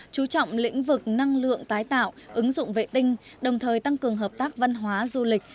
chú trọng lĩnh vực năng lượng tái tạo ứng dụng vệ tinh đồng thời tăng cường hợp tác văn hóa du lịch